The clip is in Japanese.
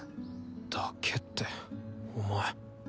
だけってお前。